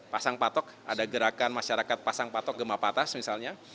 pasang patok ada gerakan masyarakat pasang patok gemah patas misalnya